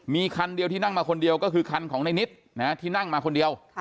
มีคันเดียวที่นั่งมาคนเดียวก็คือคันของในนิดที่นั่งมาคนเดียว